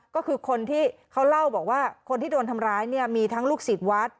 ก็คือคนที่เขาเล่าบอกว่าคนที่โดนทำร้ายเนี่ยมีทั้งลูกศิษย์วัด